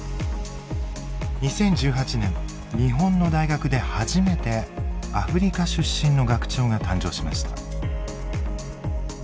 ２０１８年日本の大学で初めてアフリカ出身の学長が誕生しました。